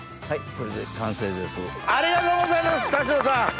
はい。